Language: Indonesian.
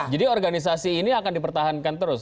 jadi organisasi ini akan dipertahankan terus